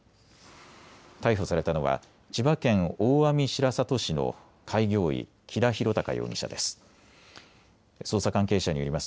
逮捕されたのは千葉県大網白里市の開業医、木田博隆容疑者です。